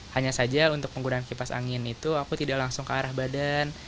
hanya saja untuk penggunaan kipas angin itu aku tidak langsung ke arah badan